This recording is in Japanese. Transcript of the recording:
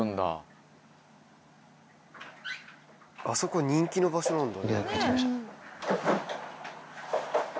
あそこ人気の場所なんだ。